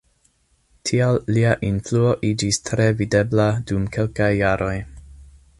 Tial lia influo iĝis tre videbla dum kelkaj jaroj.